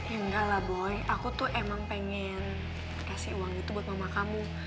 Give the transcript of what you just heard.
ya enggak lah boy aku tuh emang pengen kasih uang itu buat mama kamu